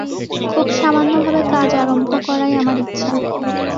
খুব সামান্যভাবে কাজ আরম্ভ করাই আমার ইচ্ছা।